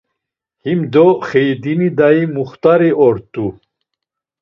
Himdo Xeyidini dayi muxt̆ar’ort̆u.